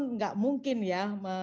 tidak mungkin ya